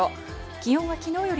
気温は昨日より